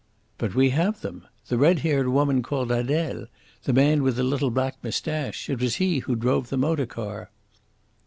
"But we have them! The red haired woman called Adele; the man with the little black moustache. It was he who drove the motor car!"